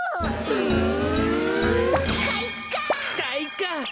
うん。